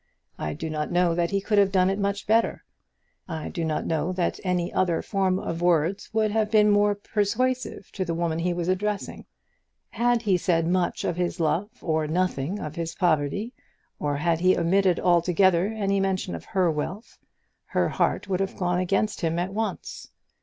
I do not know that he could have done it much better. I do not know that any other form of words would have been more persuasive to the woman he was addressing. Had he said much of his love, or nothing of his poverty; or had he omitted altogether any mention of her wealth, her heart would have gone against him at once.